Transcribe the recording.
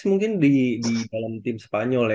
mungkin di dalam tim spanyol ya